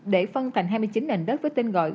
để phân thành hai mươi chín nền đất với tên gọi